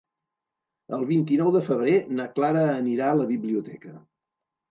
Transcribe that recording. El vint-i-nou de febrer na Clara anirà a la biblioteca.